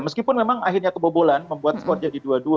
meskipun memang akhirnya kebobolan membuat skor jadi dua dua